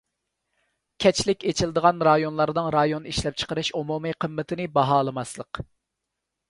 چەكلىك ئېچىلىدىغان رايونلارنىڭ رايون ئىشلەپچىقىرىش ئومۇمىي قىممىتىنى باھالىماسلىق.